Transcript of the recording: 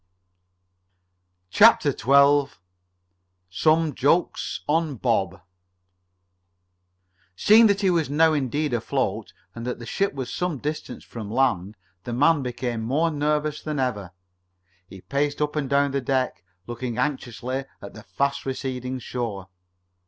CHAPTER XII SOME JOKES ON BOB Seeing that he was now indeed afloat, and that the ship was some distance from land, the man became more nervous than ever. He paced up and down the deck, looking anxiously at the fast receding shore.